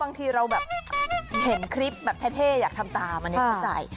บางทีเราแบบเห็นคลิปแบบเท่อยากทำตามอันนี้เข้าใจ